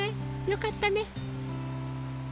よかったね。